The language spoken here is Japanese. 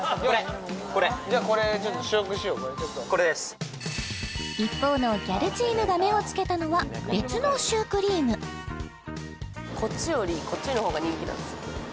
じゃあこれちょっと試食しようこれです一方のギャルチームが目をつけたのは別のシュークリームこっちよりこっちのほうが人気なんです